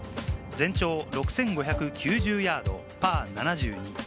全長６５９０ヤード、パー７２。